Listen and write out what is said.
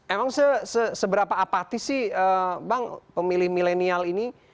emang seberapa apatis sih bang pemilih milenial ini